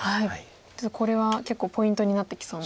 ちょっとこれは結構ポイントになってきそうな。